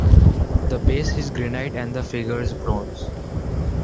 The base is granite and the figures bronze.